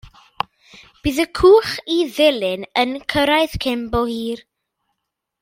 Bydd y cwch i Ddulyn yn cyrraedd cyn bo hir.